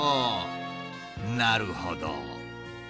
なるほど。